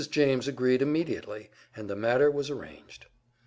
James agreed immediately, and the matter was arranged.